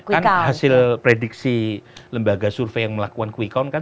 kan hasil prediksi lembaga survei yang melakukan quick count kan